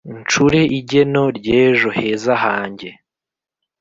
Ncure igeno ry’ejo heza hange